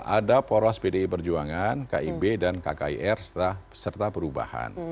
ada poros pdi perjuangan kib dan kkir serta perubahan